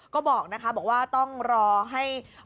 ก็บอกนะคะบอกว่าต้องรอให้